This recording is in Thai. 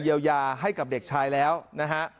เยียวยาให้กับเด็กชายแล้วนะฮะ